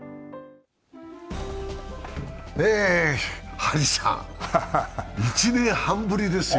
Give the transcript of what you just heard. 張さん、１年半ぶりですよ。